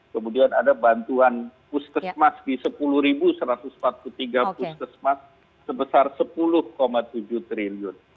kemudian ada bantuan puskesmas di sepuluh satu ratus empat puluh tiga puskesmas sebesar sepuluh tujuh triliun